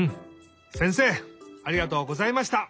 せんせいありがとうございました。